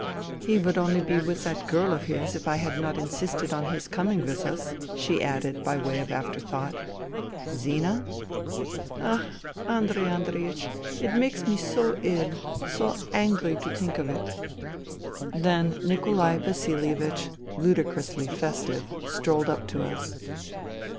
" He would only be with that girl of his if I had not insisted on his coming with us," she added by way of after thought. " Zina ?"'' Ach ! Andrei Andreiech ! It makes me so ill, so angry to think of it." Then Nikolai Vasilievich, ludicrously festive, strolled up to us.